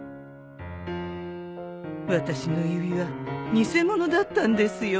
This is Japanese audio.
私の指輪偽物だったんですよ。